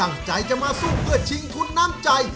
ตั้งใจจะมาสู้เพื่อชิงทุนน้ำใจ